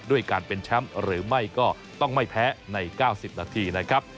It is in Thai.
ด้วยการเป็นแชมป์หรือไม่ก็ต้องไม่แพ้ใน๙๐นาทีนะครับ